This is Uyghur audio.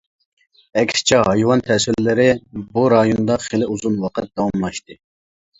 ئەكسىچە ھايۋان تەسۋىرلىرى بۇ رايوندا خېلى ئۇزۇن ۋاقىت داۋاملاشتى.